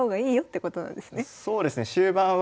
そうですね。